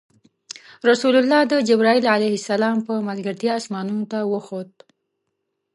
رسول الله د جبرایل ع په ملګرتیا اسمانونو ته وخوت.